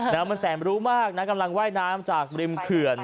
แล้วมันแสนรู้มากนะกำลังว่ายน้ำจากริมเขื่อน